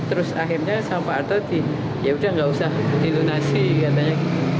terus akhirnya pak soeharto yaudah nggak usah dilunasi katanya